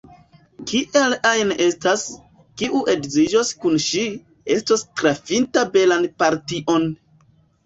Kiel ajn estas, kiu edziĝos kun ŝi, estos trafinta belan partion.